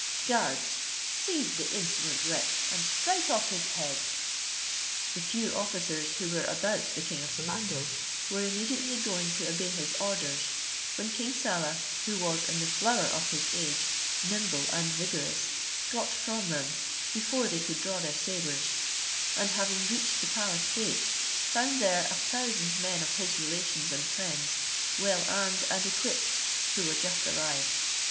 Guards, seize the insolent wretch, and strike off his head." The few officers who were about the king of Samandal were immediately going to obey his orders, when King Saleh, who was in the flower of his age, nimble and vigorous, got from them, before they could draw their sabres; and having reached the palace gate, found there a thousand men of his relations and friends, well armed and equipped, who were just arrived.